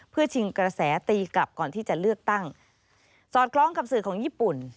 เพื่อชิงกระแสตีกลับก่อนที่จะเลือกตั้งสอดคล้องกับสื่อของญี่ปุ่น